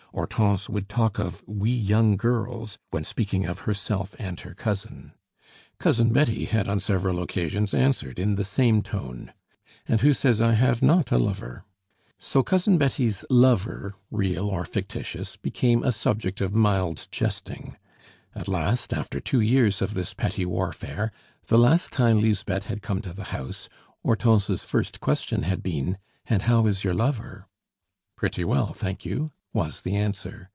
Hortense would talk of "We young girls!" when speaking of herself and her cousin. Cousin Betty had on several occasions answered in the same tone "And who says I have not a lover?" So Cousin Betty's lover, real or fictitious, became a subject of mild jesting. At last, after two years of this petty warfare, the last time Lisbeth had come to the house Hortense's first question had been: "And how is your lover?" "Pretty well, thank you," was the answer.